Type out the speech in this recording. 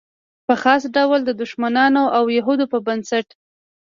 په خاص ډول د دښمنانو او یهودو په نسبت.